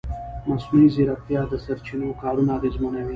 مصنوعي ځیرکتیا د سرچینو کارونه اغېزمنوي.